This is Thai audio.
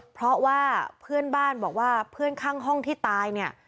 เพราะว่าเพื่อนบ้านบอกว่าเพื่อนข้างห้องที่ตายเนี่ย